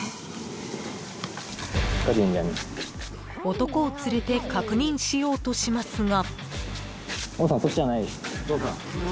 ［男を連れて確認しようとしますが］